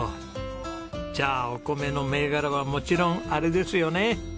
じゃあお米の銘柄はもちろんあれですよね！